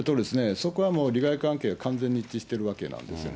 そこはもう利害関係が完全に一致してるわけなんですよね。